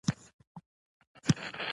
د زیان جبران د مسؤلیت نښه ده.